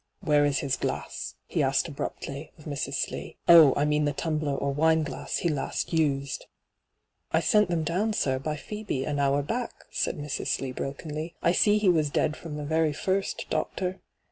' Where is his glass V he asked abruptly of Mrs. Slee. ' Oh, I mean the tumbler or wineglass he last used.' hyGoogIc 32 ENTRAPPED ' I sent them down, air, by Phosbe, ao honr back,' said Mrs. Siee brokenly. ' I see he was dead from the very first, doctor.'